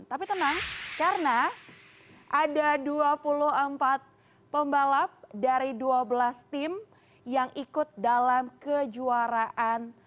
tapi tenang karena ada dua puluh empat pembalap dari dua belas tim yang ikut dalam kejuaraan